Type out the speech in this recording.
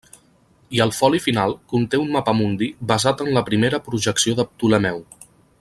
I el foli final conté un mapamundi basat en la primera projecció de Ptolemeu.